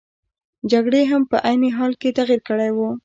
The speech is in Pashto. جګړې هم په عین حال کې تغیر کړی وو.